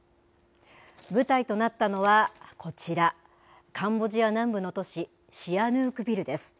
舞台となったのは、こちら、カンボジア南部の都市、シアヌークビルです。